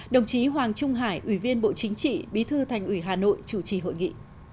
đồng chí hoàng trung hải ủy viên bộ chính trị bí thư thành ủy hà nội chủ trì hội nghị